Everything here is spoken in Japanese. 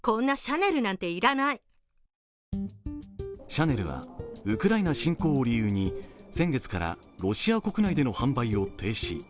シャネルはウクライナ侵攻を理由に先月からロシア国内での販売を停止。